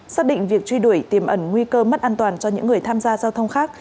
xác định việc truy đuổi tiềm ẩn nguy cơ mất an toàn cho những người tham gia giao thông khác